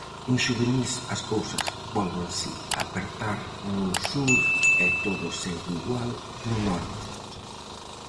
En xuvenís, as cousas vólvense apertar no sur e todo segue igual no norte.